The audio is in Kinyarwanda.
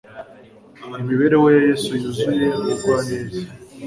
Imibereho ya Yesu yuzuye ubugwaneza,